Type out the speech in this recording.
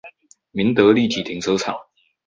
民德立體停車場